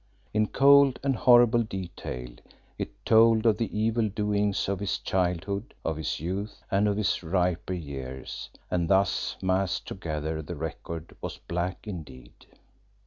In cold and horrible detail it told of the evil doings of his childhood, of his youth, and of his riper years, and thus massed together the record was black indeed.